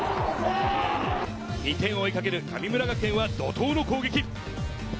２点を追いかける神村学園は怒涛の攻撃。